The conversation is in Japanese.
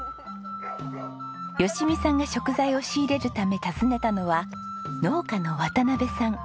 吉美さんが食材を仕入れるため訪ねたのは農家の渡辺さん。